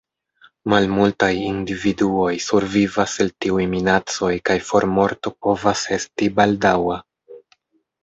Malmultaj individuoj survivas el tiuj minacoj kaj formorto povas esti baldaŭa.